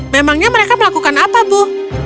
memangnya mereka melakukan apa bu